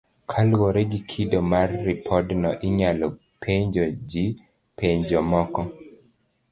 Kaluwore gi kido mar ripodno, inyalo penjo ji penjo moko,